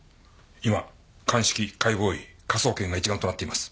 今鑑識解剖医科捜研が一丸となっています。